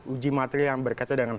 uji material yang berkaitan dengan dpr